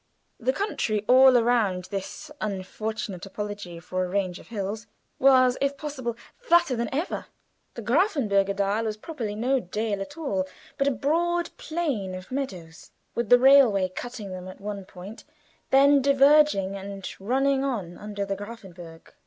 The country all around this unfortunate apology for a range of hills was, if possible, flatter than ever. The Grafenbergerdahl was, properly, no "dale" at all, but a broad plain of meadows, with the railway cutting them at one point, then diverging and running on under the Grafenberg.